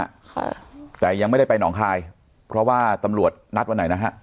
ค่ะแต่ยังไม่ได้ไปหนองคายเพราะว่าตำรวจนัดวันไหนนะฮะ